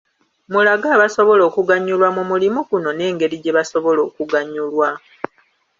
Mulage abasobola okuganyulwa mu mulimu guno n’engeri gye basobola okuganyulwa.